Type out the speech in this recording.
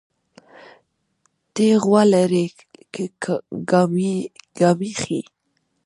تى غوا لرى كه ګامېښې؟